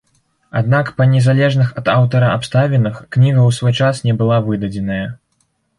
Аднак па не залежных ад аўтара абставінах кніга ў свой час не была выдадзеная.